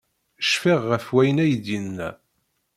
Cfiɣ ɣef wayen ay d-yenna.